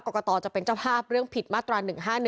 ตจะเป็นเจ้าภาพเรื่องผิดมาตรา๑๕๑